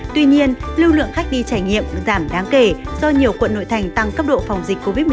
tuy nhiên lưu lượng khách đi trải nghiệm giảm đáng kể do nhiều quận nội thành tăng cấp độ phòng dịch covid một mươi chín